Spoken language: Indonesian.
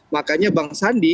makanya bang sandi